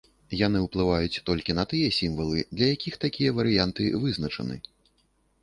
Яны ўплываюць толькі на тыя сімвалы, для якіх такія варыянты вызначаны.